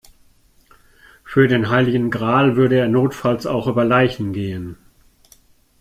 Für den heiligen Gral würde er notfalls auch über Leichen gehen.